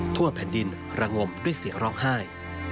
ทั่วแผ่นดินระงมด้วยเสียงร้องไห้